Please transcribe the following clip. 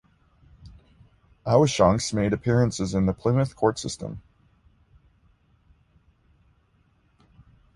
Awashonks made appearances in the Plymouth court system.